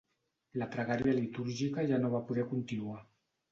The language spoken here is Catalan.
La pregària litúrgica ja no va poder continuar.